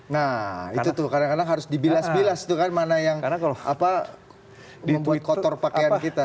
nah itu tuh kadang kadang harus dibilas bilas tuh kan mana yang membuat kotor pakaian kita